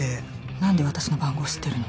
何で私の番号知ってるの？